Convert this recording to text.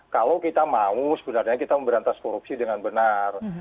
kalau kita mau sebenarnya kita memberantas korupsi dengan benar